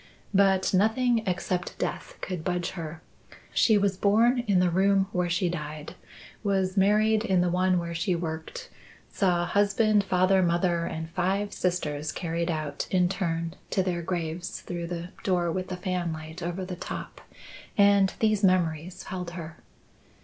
But nothing except death could budge her. She was born in the room where she died; was married in the one where she worked; saw husband, father, mother, and five sisters carried out in turn to their graves through the door with the fanlight over the top and these memories held her."